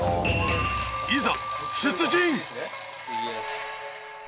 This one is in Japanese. いざ出陣！